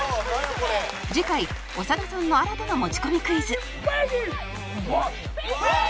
次回長田さんの新たな持ち込みクイズフェイキー！